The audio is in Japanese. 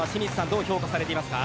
どう評価されていますか。